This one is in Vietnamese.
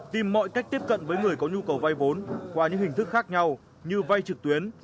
tìm mọi cách tiếp cận với người có nhu cầu vay vốn qua những hình thức khác nhau như vay trực tuyến